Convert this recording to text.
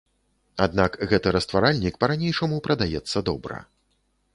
Аднак гэты растваральнік па-ранейшаму прадаецца добра.